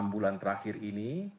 enam bulan terakhir ini